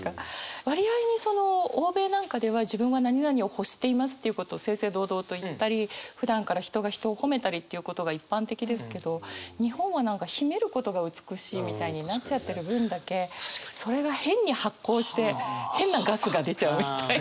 割合にその欧米なんかでは自分は何々を欲していますっていうことを正々堂々と言ったりふだんから人が人を褒めたりっていうことが一般的ですけど日本は何か秘めることが美しいみたいになっちゃってる分だけそれが変に発酵して変なガスが出ちゃうみたいな。